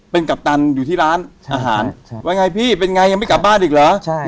เป็นกัปตันอยู่ที่ร้านอาหารใช่ว่าไงพี่เป็นไงยังไม่กลับบ้านอีกเหรอใช่